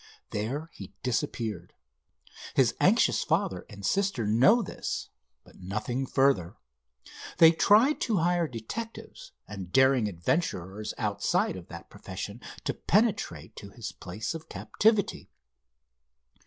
There he disappeared. His anxious father and sister know this, but nothing further. They tried to hire detectives and daring adventurers outside of that profession to penetrate to his place of captivity.